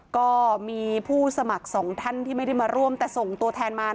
ก็มีผู้สมัครสองท่านที่ไม่ได้มาร่วมแต่ส่งตัวแทนมา